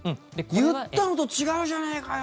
言ったのと違うじゃないかよ！